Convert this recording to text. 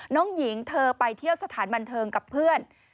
น้องหญิงเธอไปเที่ยวสถานบันเทิงกับเพื่อน